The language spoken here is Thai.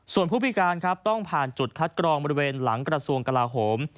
ส่วนผู้พิการครับต้องผ่านจุดคัดกรองบริเวณหลังกระทรวงกลาโหม